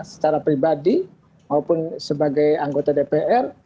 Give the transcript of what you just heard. secara pribadi maupun sebagai anggota dpr